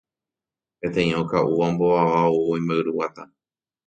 Peteĩ oka'úva ombovava oúvo imba'yruguata.